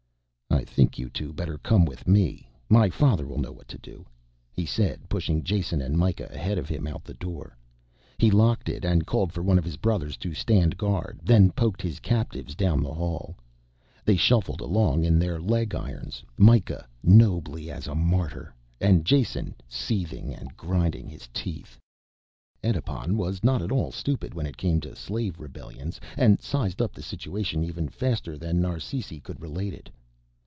"I think you two better come with me, my father will know what to do," he said, pushing Jason and Mikah ahead of him out the door. He locked it and called for one of his brothers to stand guard, then poked his captives down the hall. They shuffled along in their leg irons, Mikah nobly as a martyr and Jason seething and grinding his teeth. Edipon was not at all stupid when it came to slave rebellions, and sized up the situation even faster than Narsisi could relate it.